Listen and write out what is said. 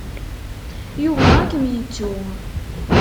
Yugi ad kem-yettu.